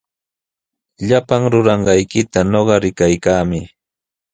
Llapan ruranqaykita ñuqa rikaykaami.